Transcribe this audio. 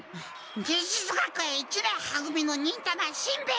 忍術学園一年は組の忍たましんべヱです。